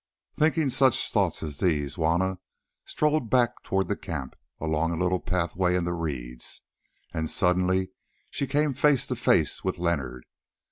Thinking such thoughts as these, Juanna strolled back towards the camp along a little pathway in the reeds, and suddenly came face to face with Leonard.